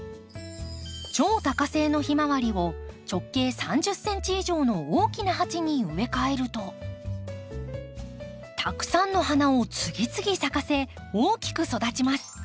超多花性のヒマワリを直径３０ｃｍ以上の大きな鉢に植え替えるとたくさんの花を次々咲かせ大きく育ちます。